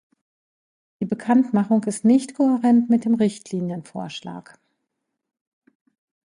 Die Bekanntmachung ist nicht kohärent mit dem Richtlinienvorschlag.